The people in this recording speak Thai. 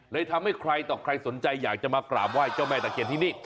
ทำให้ใครต่อใครสนใจอยากจะมากราบไหว้เจ้าแม่ตะเคียนที่นี่